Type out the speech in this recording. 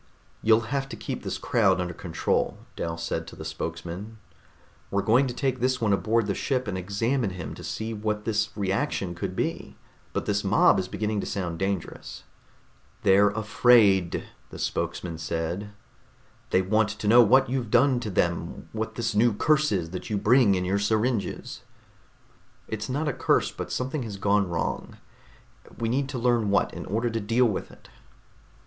"You'll have to keep this crowd under control," Dal said to the spokesman. "We're going to take this one aboard the ship and examine him to see what this reaction could be, but this mob is beginning to sound dangerous." "They're afraid," the spokesman said. "They want to know what you've done to them, what this new curse is that you bring in your syringes." "It's not a curse, but something has gone wrong. We need to learn what, in order to deal with it."